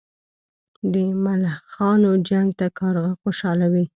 د ملخانو جنګ ته کارغه خوشاله وي.